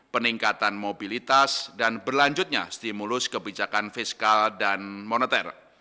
peningkatan mobilitas dan berlanjutnya stimulus kebijakan fiskal dan moneter